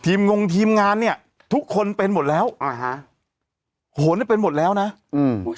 งงทีมงานเนี้ยทุกคนเป็นหมดแล้วอ่าฮะโหนเนี้ยเป็นหมดแล้วนะอืม